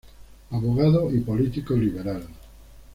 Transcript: Abogado y político liberal.